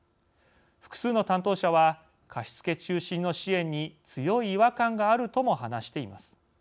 複数の担当者は貸付中心の支援に強い違和感があるとも話しています。